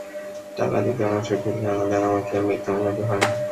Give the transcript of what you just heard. টাকা দিতে অস্বীকৃতি জানালে আমাকে মিথ্যা মামলা দিয়ে হয়রানির হুমকি দেওয়া হয়।